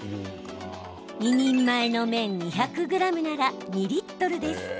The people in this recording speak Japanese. ２人前の麺２００ｇなら２リットルです。